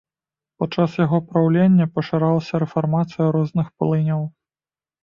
Падчас яго праўлення пашырылася рэфармацыя розных плыняў.